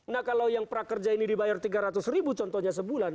nah kalau yang prakerja ini dibayar tiga ratus ribu contohnya sebulan